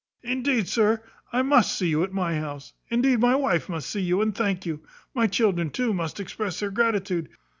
Indeed, sir, I must see you at my house. Indeed my wife must see you, and thank you. My children too must express their gratitude.